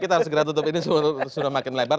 kita tutup ini sudah makin lebar